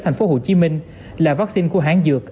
tp hcm là vaccine của hãng dược